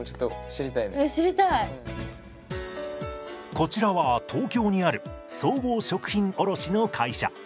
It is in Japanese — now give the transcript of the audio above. こちらは東京にある総合食品卸の会社。